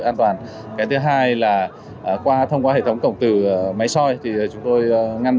an toàn cái thứ hai là qua thông qua hệ thống cổng từ máy soi thì chúng tôi ngăn